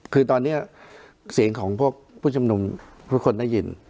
คือตอนนี้เสียงของพวกผู้ชมนุมทุกคนได้ยิน